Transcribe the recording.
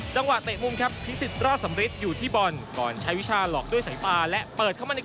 จังหวะเตะมุมครับ